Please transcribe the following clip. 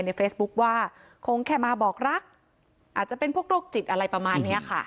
ในเฟซบุ๊คว่าคงแค่มาบอกรักอาจจะเป็นพวกโรคจิตอะไรประมาณนี้ค่ะ